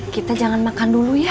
kita jangan makan dulu ya